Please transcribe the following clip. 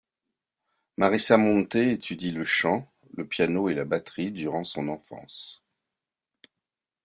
Marisa Monte étudie le chant, le piano et la batterie durant son enfance.